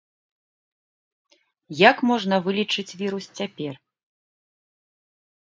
Як можна вылічыць вірус цяпер?